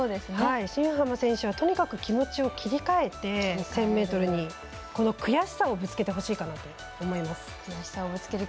新濱選手はとにかく気持ちを切り替えて１０００ｍに、この悔しさをぶつけてほしいかなと思います。